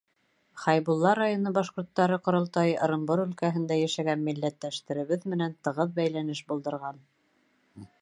Хәйбулла районы башҡорттары ҡоролтайы Ырымбур өлкәһендә йәшәгән милләттәштәребеҙ менән тығыҙ бәйләнеш булдырған.